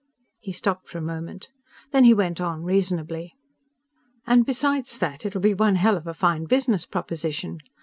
He stopped for a moment. Then he went on reasonably; "And besides that, it'll be one hell of a fine business proposition.